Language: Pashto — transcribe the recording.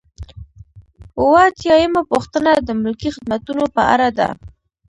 اووه اتیا یمه پوښتنه د ملکي خدمتونو په اړه ده.